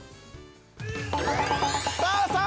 ◆さあさあ